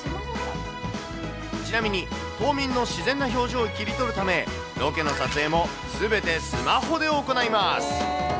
ちなみに、島民の自然な表情を切り取るため、ロケの撮影もすべてスマホで行います。